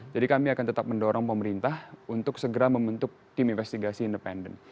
jadi kami akan tetap mendorong pemerintah untuk segera membentuk tim investigasi independen